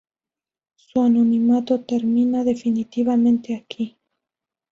Su anonimato termina definitivamente aquí.